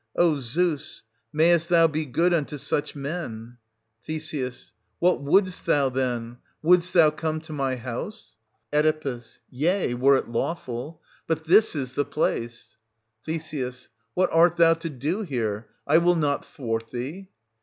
O Zeus, mayest thou be good unto such men ! Th. What wouldst thou, then 1 wouldst thou come to my house ? 644—664] OEDIPUS AT COLONUS. 85 Oe. Yea, were it lawful ;— but this is the place — Th. What art thou to do here ? I will not thwart thee...